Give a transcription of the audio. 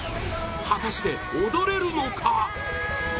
果たして踊れるのか？